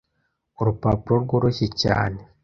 Urupapuro rworoshye cyane